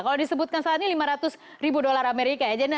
kalau disebutkan saat ini lima ratus ribu dolar amerika ya